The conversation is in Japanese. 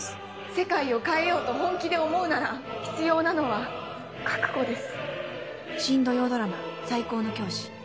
世界を変えようと本気で思うなら必要なのは覚悟です。